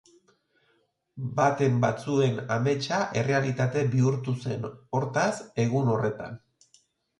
Baten batzuen ametsa errealitate bihurtu zen, hortaz, egun horretan.